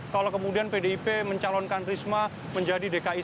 kalau kemudian pdip mencalonkan risma menjadi dki satu